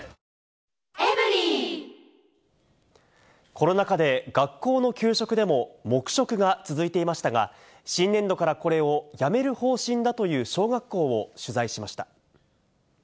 コロナ禍で学校の給食でも黙食が続いていましたが、新年度からこれをやめる方針だという小学校を取材しました。